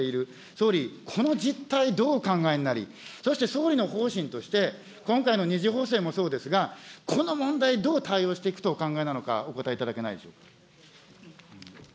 総理、この実態、どうお考えになり、そして総理の方針として、今回の２次補正もそうですが、この問題、どう対応していくとお考えなのか、お答えいただけないでしょうか。